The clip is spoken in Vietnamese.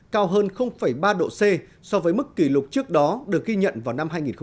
cao hơn ba độ c so với mức kỷ lục trước đó được ghi nhận vào năm hai nghìn một mươi